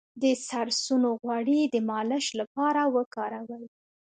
د سرسونو غوړي د مالش لپاره وکاروئ